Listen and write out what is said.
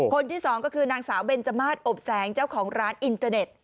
คนที่สองก็คือนางสาวเบนจมาสอบแสงเจ้าของร้านอินเตอร์เน็ต